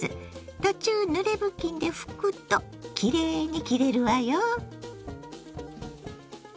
途中ぬれ布巾で拭くときれいに切れるわよ。